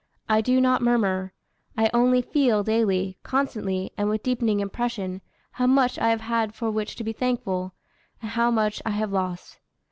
I do not murmur; I only feel daily, constantly, and with deepening impression, how much I have had for which to be thankful, and how much I have lost....